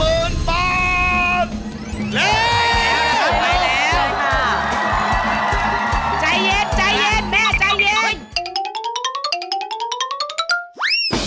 เรียบร้อยแล้วครับเรียบร้อยแล้ว